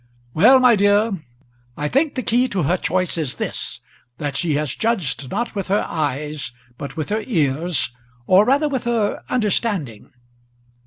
"Well, my dear, I think the key to her choice is this, that she has judged not with her eyes, but with her ears, or rather with her understanding.